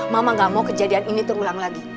mama gak mau kejadian ini terulang lagi